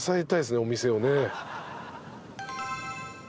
お店をね。